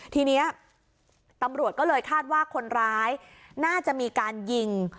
ทีนี้ตำรวจก็เลยคาดว่าคนร้ายน่าจะมีการยิง